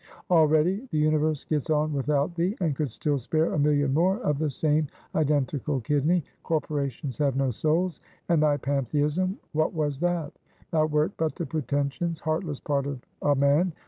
Already the universe gets on without thee, and could still spare a million more of the same identical kidney. Corporations have no souls, and thy Pantheism, what was that? Thou wert but the pretensious, heartless part of a man.